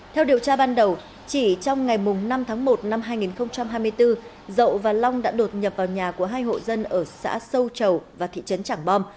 theo điều tra ban đầu chỉ trong ngày năm tháng một năm hai nghìn hai mươi bốn dậu và long đã đột nhập vào nhà của hai hộ dân ở xã sâu chầu và thị trấn trảng bom